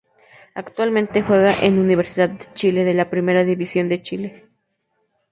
Actualmente juega en Universidad de Chile de la Primera División de Chile.